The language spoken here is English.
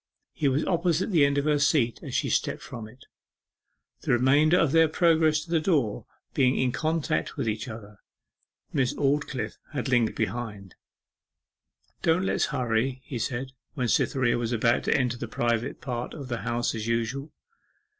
He was opposite the end of her seat as she stepped from it, the remainder of their progress to the door being in contact with each other. Miss Aldclyffe had lingered behind. 'Don't let's hurry,' he said, when Cytherea was about to enter the private path to the House as usual.